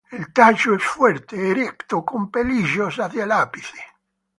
El tallo es fuerte, erecto, con pelillos hacia el ápice.